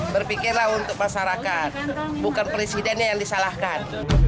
berpikirlah untuk masyarakat bukan presidennya yang disalahkan